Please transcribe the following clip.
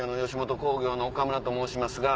吉本興業の岡村と申します。